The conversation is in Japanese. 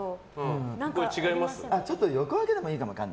ちょっと横分けでもいいかもね。